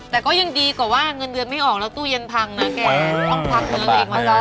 แต่ก็ยังดีกว่าเงินเดือนไม่ออกแล้วตู้เย็นพังนะแกต้องพักเนื้ออีกมาก